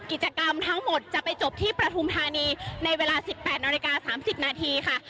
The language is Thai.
กิจกรรมทั้งหมดจะไปจบที่ประทุมธานีในเวลา๑๘นาฬิกา๓๐นาทีค่ะ